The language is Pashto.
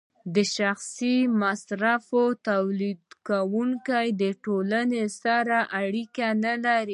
د شخصي مصرف تولیدونکی له ټولنې سره اړیکه نلري